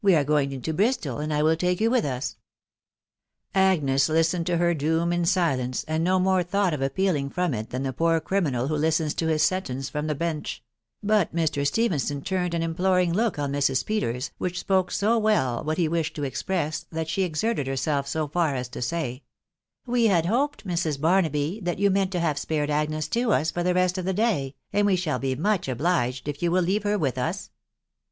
are going into Bristol, and I will take ^o\x m\X\ W p 2 212 THE WIDOW BARNABY. Agnes listened to her doom in silence, and no more thought of appealing from it than the poor criminal who listens to hii sentence from the bencli ; but Mr. Stephenson turned an im ploring look on Mrs. Peters, which spoke so well what he wished to express, that she exerted herself so far as to say, " We had hoped, Mrs. Barnaby, that you meant to have spared Agnes to us for the rest of the day, and we shall be much obliged if you will leave her with us."